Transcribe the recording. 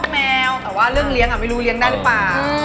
แมวแต่ว่าเรื่องเลี้ยงไม่รู้เลี้ยงได้หรือเปล่า